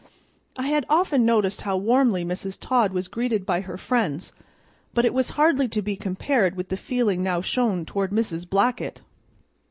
I had often noticed how warmly Mrs. Todd was greeted by her friends, but it was hardly to be compared with the feeling now shown toward Mrs. Blackett.